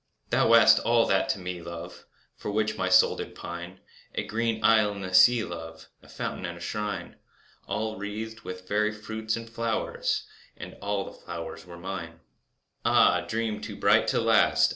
Thou wast all that to me, love, For which my soul did pine— A green isle in the sea, love, A fountain and a shrine, All wreathed with fairy fruits and flowers, And all the flowers were mine. Ah, dream too bright to last!